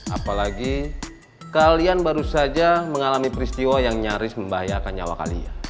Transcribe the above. apalagi kalian baru saja mengalami peristiwa yang nyaris membahayakan nyawa kalian